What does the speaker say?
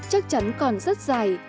chắc chắn còn rất dài